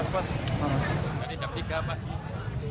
tadi jam tiga pagi